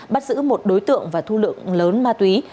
bắt giữ một đối tượng và thu lượng lớn ma túy